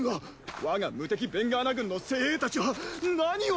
我が無敵ベンガーナ軍の精鋭たちは何をしていたのだ？